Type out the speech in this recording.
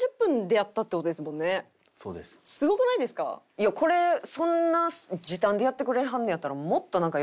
いやこれそんな時短でやってくれはんねやったら。